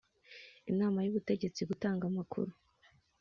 inama yubutegetsi gutanga amakuru